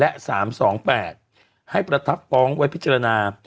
และสามสองแปดให้ประทับป้องไว้พิจารณา